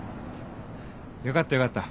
よかったよかった。